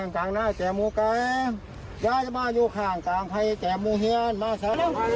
ทางกลางไพ่แก่มูเฮียนมาซะ